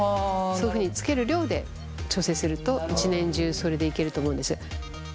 そういうふうにつける量で調整すると一年中それでいけると思うんです。